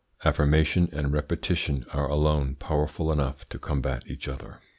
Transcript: Affirmation and repetition are alone powerful enough to combat each other.